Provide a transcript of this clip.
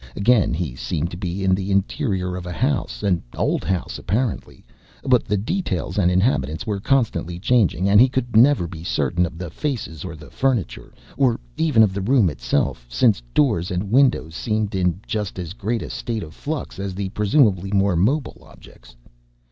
Again he seemed to be in the interior of a house an old house, apparently but the details and inhabitants were constantly changing, and he could never be certain of the faces or the furniture, or even of the room itself, since doors and windows seemed in just as great a state of flux as the presumably more mobile objects.